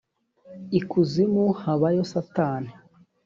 ikuzimu habayo satani.